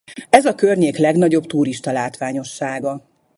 Ez a környék legnagyobb turistalátványossága.